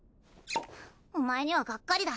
お前にはがっかりだ。